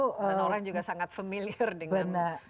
dan orang juga sangat familiar dengan proses dan prosedurnya